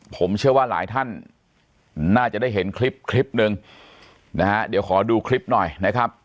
ผมเชื่อว่าหลายท่านน่าจะได้เห็นคลิปคลิปหนึ่งนะฮะเดี๋ยวขอดูคลิปหน่อยนะครับ